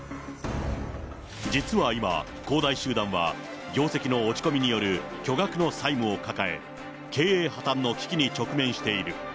実は今、恒大集団は業績の落ち込みによる巨額の債務を抱え、経営破綻の危機に直面している。